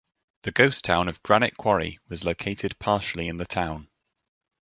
The ghost town of Granite Quarry was located partially in the town.